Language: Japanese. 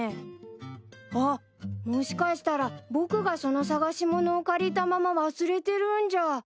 あっもしかしたら僕がその探し物を借りたまま忘れてるんじゃ。